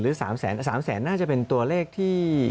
หรือ๓แสน๓แสนน่าจะเป็นตัวเลขที่